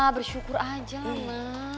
bersyukur aja ma